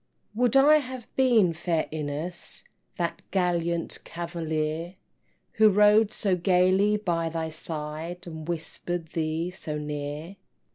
Would I had been, fair Ines, That gallant cavalier, Who rode so gaily by thy side, And whisper'd thee so near!